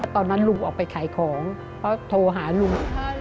ตอนนั้นลุงออกไปขายของเพราะโทรหาลุง